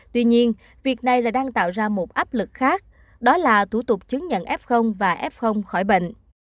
tuy nhiên việc này lại đang tạo ra một áp lực khác đó là thủ tục chứng nhận f và f khỏi bệnh